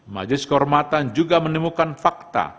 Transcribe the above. majelis kehormatan juga menemukan fakta